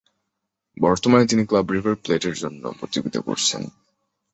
বর্তমানে তিনি club River Plate জন্য প্রতিযোগিতা করছেন।